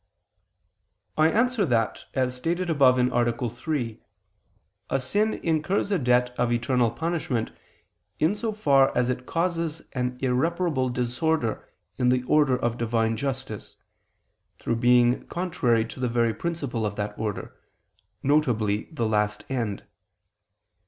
I answer that, As stated above (A. 3), a sin incurs a debt of eternal punishment, in so far as it causes an irreparable disorder in the order of Divine justice, through being contrary to the very principle of that order, viz. the last end.